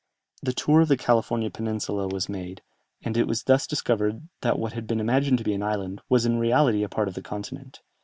The tour of the Californian Peninsula was made, and it was thus discovered that what had been imagined to be an island, was in reality a part of the continent.